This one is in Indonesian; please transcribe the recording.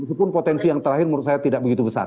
meskipun potensi yang terakhir menurut saya tidak begitu besar